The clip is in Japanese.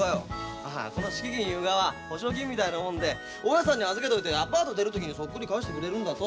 この敷金いうがは保証金みたいなもんで大家さんに預けといてアパート出る時にそっくり返してくれるんだと。